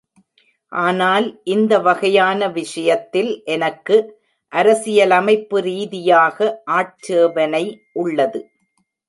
ஆனால் இந்த வகையான விஷயத்தில் எனக்கு அரசியலமைப்புரீதியாக ஆட்சேபனை உள்ளது.